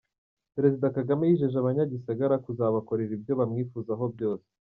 Perezida Kagame yijeje abanya Gisagara kuzabakorera ibyo bamwifuzaho byose.